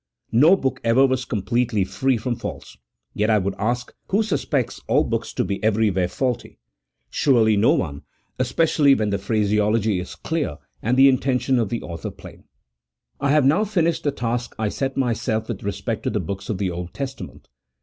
No book ever was completely free from faults, yet I would ask, who suspects all books to be every where faulty? CHAP. X.] OF THE PROPHETIC BOOKS. 155 Surely no one, especially when the phraseology is clear and the intention of the author plain. I have now finished the task I set myself with respect to the books of the Old Testament.